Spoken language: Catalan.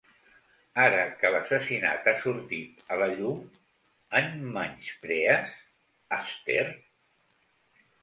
Ara que l'assassinat ha sortit a la llum em menysprees, Esther?